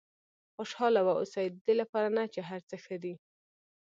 خوشاله واوسئ ددې لپاره نه چې هر څه ښه دي.